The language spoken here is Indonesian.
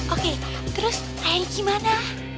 oke terus raya ini gimana